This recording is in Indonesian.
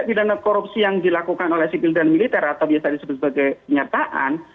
pidana korupsi yang dilakukan oleh sipil dan militer atau biasa disebut sebagai penyertaan